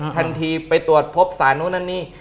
ทันทีไปตรวจพบสารนู้นนั่นนี่